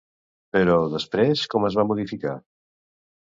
Però després com es va modificar?